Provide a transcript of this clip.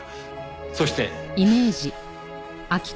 そして。